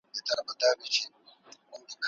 که ماشوم مشاهده وکړي دا تعليم ته وده ورکوي.